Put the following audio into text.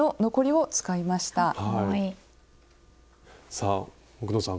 さあ奥野さん